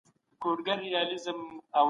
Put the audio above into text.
کنډوالې د نوي ژوند بنسټ ګرځي